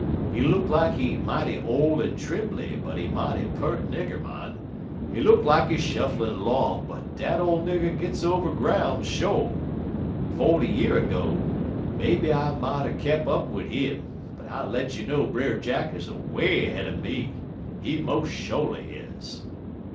He look lak he mighty ole en trimbly, but he mighty peart nigger, mon. He look lak he shufflin' 'long, but dat ole nigger gits over groun', sho'. Forty year ergo, maybe I mought er kep' up wid 'im, but I let you know Brer Jack is away 'head er me. He mos' sho'ly is."